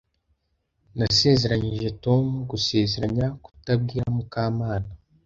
Nasezeranije Tom gusezeranya kutabwira Mukamana.